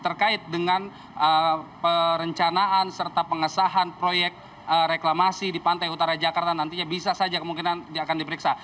terkait dengan perencanaan serta pengesahan proyek reklamasi di pantai utara jakarta nantinya bisa saja kemungkinan akan diperiksa